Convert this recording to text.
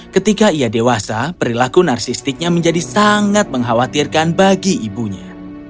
ketika ia dewasa perilaku narsistiknya menjadi sangat mengkhawatirkan bagi ibunya